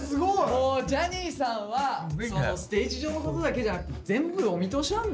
もうジャニーさんはステージ上のことだけじゃなくて全部お見通しなんだね。